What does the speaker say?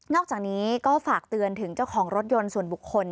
อกจากนี้ก็ฝากเตือนถึงเจ้าของรถยนต์ส่วนบุคคล